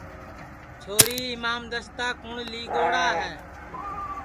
چھوری اِمام دستا کُوٹؔ لی گئوڑا ہے